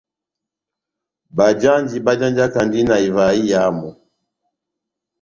Bajanji bájanjakandi na ivaha iyamu.